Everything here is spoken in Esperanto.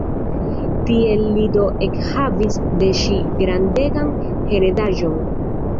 Tiel li do ekhavis de ŝi grandegan heredaĵon.